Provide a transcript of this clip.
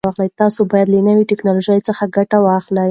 تاسو باید له نوي ټکنالوژۍ څخه ګټه واخلئ.